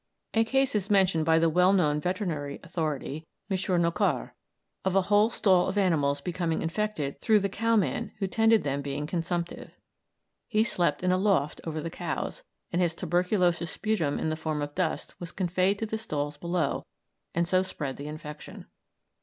A case is mentioned by the well known veterinary authority, M. Nocard, of a whole stall of animals becoming infected through the cow man who tended them being consumptive. He slept in a loft over the cows, and his tuberculous sputum in the form of dust was conveyed to the stalls beneath and so spread the infection.